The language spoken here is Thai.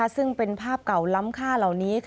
ซึ่งเป็นภาพเก่าล้ำค่าเหล่านี้